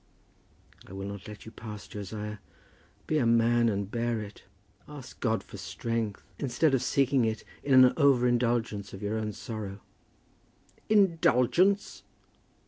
"I will not let you pass, Josiah. Be a man and bear it. Ask God for strength, instead of seeking it in an over indulgence of your own sorrow." "Indulgence!"